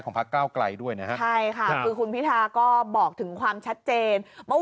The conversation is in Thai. ของพระก้าวไกลด้วยนะค่ะคุณพิธาก็บอกถึงความชัดเจนเมื่อ